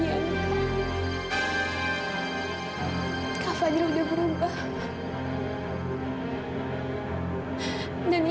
kak fadil adalah bahwa